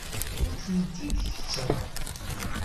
Ur ten-id-kettreɣ.